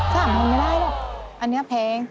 ถามไม่ได้เลยอันนี้เพลง